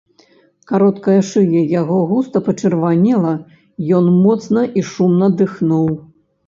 Кароткая шыя яго густа пачырванела, ён моцна і шумна дыхнуў.